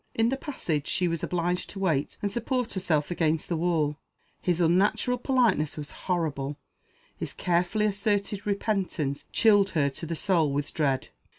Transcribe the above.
In the passage she was obliged to wait, and support herself against the wall. His unnatural politeness was horrible; his carefully asserted repentance chilled her to the soul with dread.